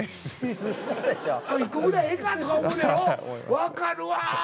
わかるわ。